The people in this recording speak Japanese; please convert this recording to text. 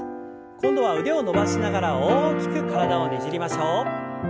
今度は腕を伸ばしながら大きく体をねじりましょう。